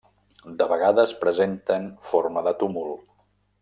De vegades presenten forma de túmul.